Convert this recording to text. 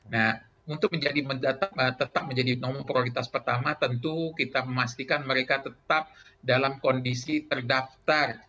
nah untuk tetap menjadi nomor prioritas pertama tentu kita memastikan mereka tetap dalam kondisi terdaftar